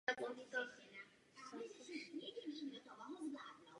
K národnímu hnutí se připojil až během lékařského působení.